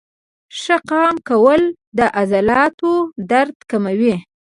ښه قام کول د عضلاتو درد کموي.